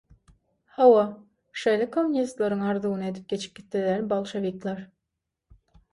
Hawa, şeýle kommunistleriň arzuwyny edip geçip gitdiler bolşewikler.